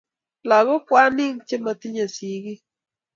Lagok kwananik che matinyei sigik